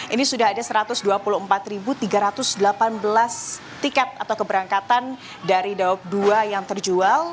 ini sudah ada satu ratus dua puluh empat tiga ratus delapan belas tiket atau keberangkatan dari daob dua yang terjual